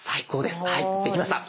できました。